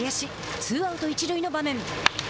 ツーアウト、一塁の場面。